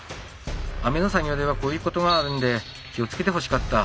雨の作業ではこういうことがあるんで気をつけてほしかった。